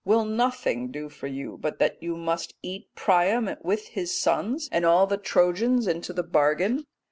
Will nothing do for you but you must eat Priam with his sons and all the Trojans into the bargain?